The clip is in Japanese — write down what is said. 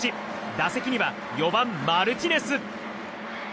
打席には４番、マルティネス。